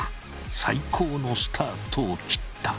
最高のスタートを切った。